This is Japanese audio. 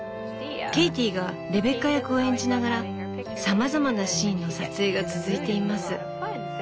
ケイティがレベッカ役を演じながらさまざまなシーンの撮影が続いています。